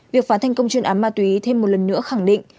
việc phá thành công chuyên án ma túy thêm một lần nữa khẳng định